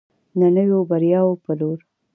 د نویو بریاوو په لور.